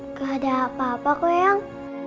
gak ada apa apa kok eyang